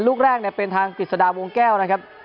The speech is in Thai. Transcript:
ลูกแรกเนี่ยเป็นทางกฤษฎาวงแก้วนะครับ